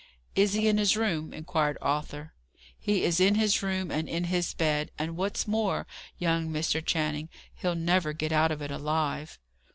"Is he in his room?" inquired Arthur. "He is in his room, and in his bed. And what's more, young Mr. Channing, hell never get out of it alive."